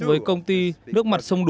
với công ty nước mặt sông